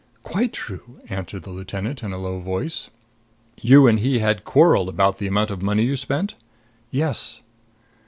"Quite true," answered the lieutenant in a low voice. "You and he had quarreled about the amount of money you spent?" "Yes."